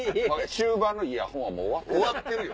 終盤のイヤホンは終わってるで。